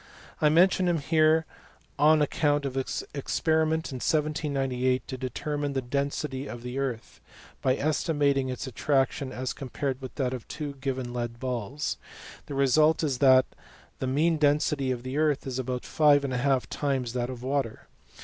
T mention him here on account of his experiment in 1798 to determine the density of the earth, by estimating its attraction as compared with that of two given lead balls : the result is that the mean density of the earth is about five and a half times that of water.